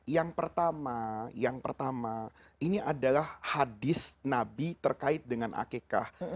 yang pertama yang pertama ini adalah hadis nabi terkait dengan akekah